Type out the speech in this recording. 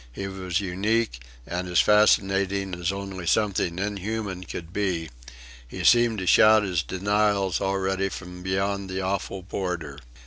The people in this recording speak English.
He was unique, and as fascinating as only something inhuman could be; he seemed to shout his denials already from beyond the awful border.